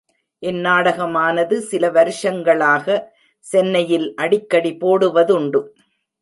இந்நாடகமானது, சில வருஷங்களாக சென்னையில் அடிக்கடி போடுவதுண்டு.